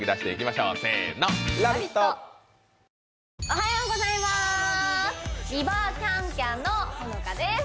おはようございます